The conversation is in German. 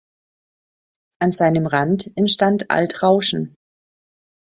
An seinem Rand entstand "Alt-Rauschen".